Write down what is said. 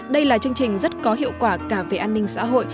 đây là chương trình rất có hiệu quả cả về an ninh xã hội